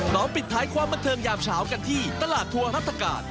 ปิดท้ายความบันเทิงยามเช้ากันที่ตลาดทัวร์รัฐกาล